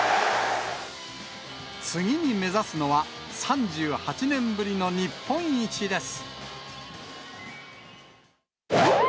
次に目指すのは、３８年ぶりの日本一です。